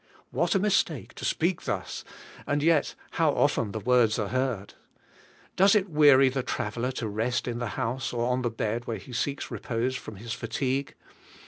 What a mistake to speak thus, and yet how often the words are heard! Does it weary the traveller to rest in the house or on the bed where he seeks repose from his fatigue?